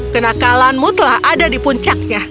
kenakalanmu telah ada di puncaknya